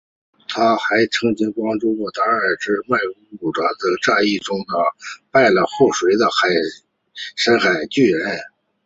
她还曾经帮助达努之子在麦格图雷德战役中击败了丑陋的深海巨人。